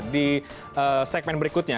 di segmen berikutnya